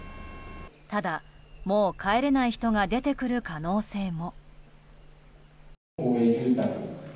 ただ、もう帰れない人が出てくる可能性も。